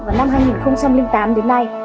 vào năm hai nghìn tám đến nay